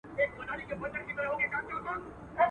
بېکارو ته شيطان کار پيدا کوي.